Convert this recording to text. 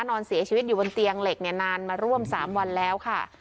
นอนเสียชีวิตอยู่บนเตียงเหล็กเนี่ยนานมาร่วม๓วันแล้วค่ะ